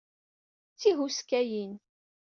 D tihuskayin.